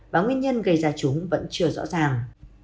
và nguyên nhân gây ra chúng vẫn chưa rõ ràng